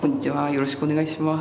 よろしくお願いします。